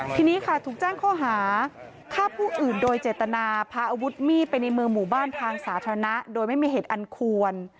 ทีนี้ค่ะถูกแจ้งข้อหาฆ่าผู้อื่นโดยเจตนาพาอาวุธมีดไปในเมืองหมู่บ้านทางสาธารณะโดยไม่มีเหตุอันควร